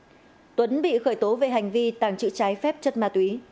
trước đó trương ngọc hà tuấn đã bị khởi tố về hành vi tàng trự trái phép chất ma túy